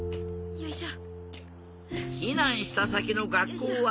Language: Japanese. よいしょ。